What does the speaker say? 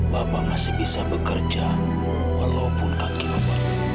bapak masih bisa bekerja walaupun kaki lebak